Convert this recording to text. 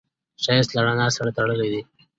ښایست له رڼا سره تړلی دی